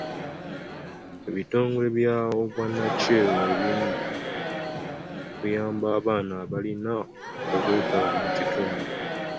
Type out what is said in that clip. Ebitongole by'obwannakyewa ebimu okuyamba abaana abalina obwetaavu mu kitundu.